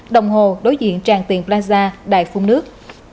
đồng hồ đối diện tràng tiền plaza đài phun nước